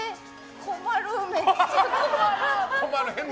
困るめっちゃ困る。